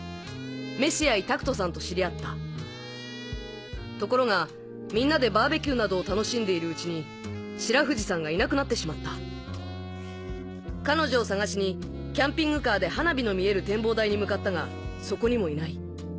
飯合拓人さんと知り合ったところがみんなでバーベキューなどを楽しんでいるうちに白藤さんがいなくなってしまった彼女を捜しにキャンピングカーで花火の見える展望台に向かったがそこにもいない